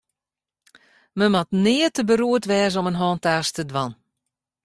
Men moat nea te beroerd wêze om in hantaast te dwaan.